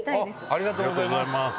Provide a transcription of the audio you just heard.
ありがとうございます。